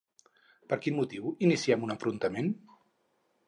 Per quin motiu inicien un enfrontament?